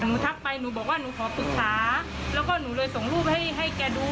ทักไปหนูบอกว่าหนูขอปรึกษาแล้วก็หนูเลยส่งรูปให้ให้แกดู